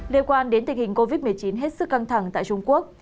liên quan đến tình hình covid một mươi chín hết sức căng thẳng tại trung quốc